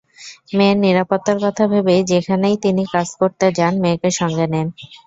মেয়ের নিরাপত্তার কথা ভেবেই যেখানেই তিনি কাজ করতে যান মেয়েকে সঙ্গে নেন।